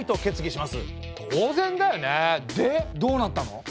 でどうなったの？